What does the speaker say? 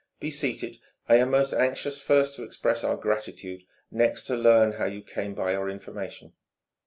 "Be seated. I am most anxious first to express our gratitude, next to learn how you came by your information."